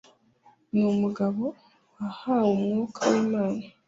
ni umugabo wahawe umwuka w’imana.